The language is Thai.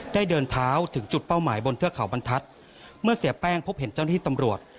เดินเท้าถึงจุดเป้าหมายบนเทือกเขาบรรทัศน์เมื่อเสียแป้งพบเห็นเจ้าหน้าที่ตำรวจ